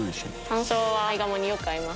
山椒合鴨によく合います。